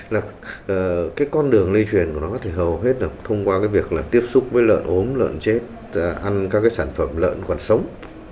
là cái con đường lây truyền của nó thì hầu hết là thông qua cái việc là tiếp xúc với lợn ốm lợn chết ăn các cái sản phẩm lợn còn sống